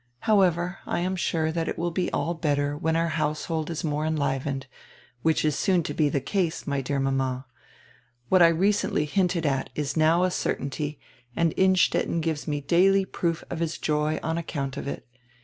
However, I am sure that it will all be better when our household is more enlivened, which is soon to be the case, my dear mama. What I recently hinted at is now a certainty and Innstetten gives me daily proof of his joy on account of it.